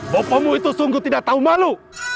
bapakmu itu sungguh tidak tahu malu